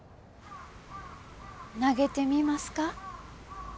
投げてみますか？